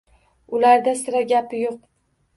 Ularda sira gapi yo‘q!